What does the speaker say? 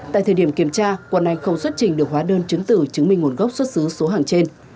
tại thời điểm kiểm tra quần anh không xuất trình được hóa đơn chứng tử chứng minh nguồn gốc xuất xứ số hàng trên